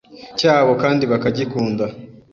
cyabo kandi bakagikunda.